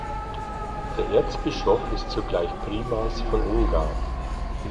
Der Erzbischof ist zugleich Primas von Ungarn.